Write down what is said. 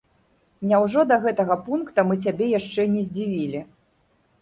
Няўжо да гэтага пункта мы цябе яшчэ не здзівілі?